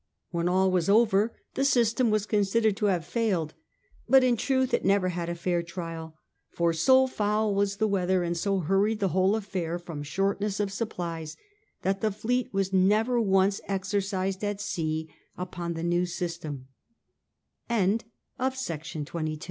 When all was over, the system was con sidered to have failed, but in truth it never had a fair trial, for so foul was the weather, and so hurried the whole affair from shortness of supplies, that the fleet was never once exercised at sea upon the new syst